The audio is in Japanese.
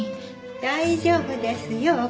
大丈夫ですよ奥様。